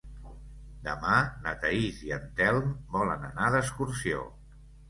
Demà na Thaís i en Telm volen anar d'excursió.